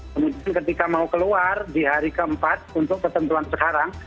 kemudian ketika mau keluar di hari keempat untuk ketentuan sekarang